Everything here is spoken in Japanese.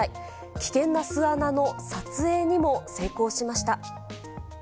危険な巣穴の撮影にも成功しました。